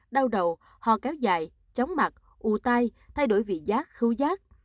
đau đầu hò kéo dại chóng mặt ụ tai thay đổi vị giác khu giác